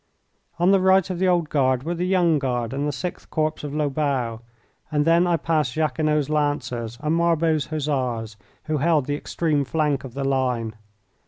On the right of the Old Guard were the Young Guard and the 6th Corps of Lobau, and then I passed Jacquinot's Lancers and Marbot's Hussars, who held the extreme flank of the line.